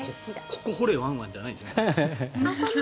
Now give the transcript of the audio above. ここ掘れワンワンじゃないんですね。